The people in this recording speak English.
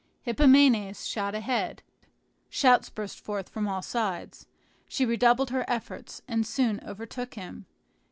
Hippomenes shot ahead. Shouts burst forth from all sides. She redoubled her efforts, and soon overtook him.